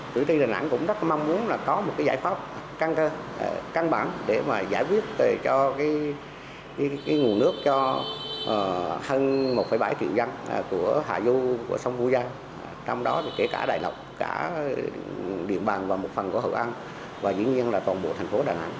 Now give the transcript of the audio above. thủy tư đà nẵng cũng rất mong muốn là có một cái giải pháp